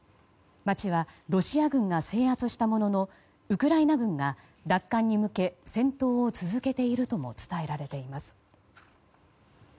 街はロシア軍が制圧したもののウクライナ軍が奪還に向け戦闘を続けているとも伝えられています。